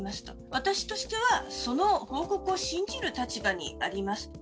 私としてはその報告を信じる立場にありますと。